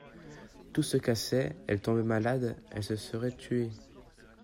Tout se cassait, elle tombait malade, elle se serait tuée.